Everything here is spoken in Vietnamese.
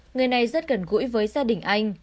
người này rất gần gũi với gia đình anh